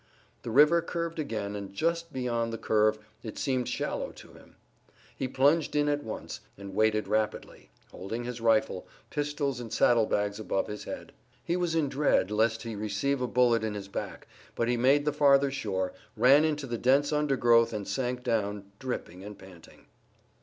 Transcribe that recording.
The river curved again and just beyond the curve it seemed shallow to him. He plunged in at once, and waded rapidly, holding his rifle, pistols and saddlebags above his head. He was in dread lest he receive a bullet in his back, but he made the farther shore, ran into the dense undergrowth and sank down dripping and panting.